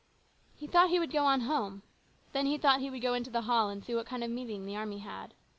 He thought he would go on home. Then he thought he would go into the hall and see what kind of a meeting the army had.